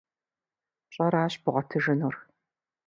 Пщӏаращ бгъуэтыжынур.